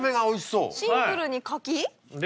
シンプルに柿？